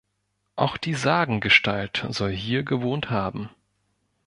Auch die Sagengestalt soll hier gewohnt haben.